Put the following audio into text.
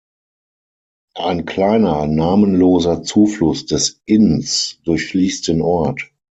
Ein kleiner namenloser Zufluss des Inns durchfließt den Ort.